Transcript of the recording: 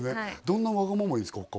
どんなわがままを言うんですか？